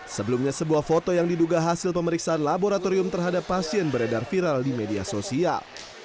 sebelumnya sebuah foto yang diduga hasil pemeriksaan laboratorium terhadap pasien beredar viral di media sosial